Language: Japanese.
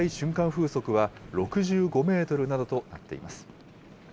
風速は６５メートルなどとなっています。